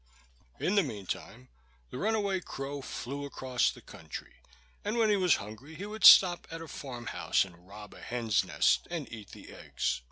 In the mean time the runaway crow flew through the country, and when he was hungry he would stop at a farm house and rob a hen's nest and eat the eggs.